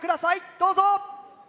どうぞ！